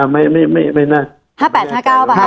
๕๕ไม่น่า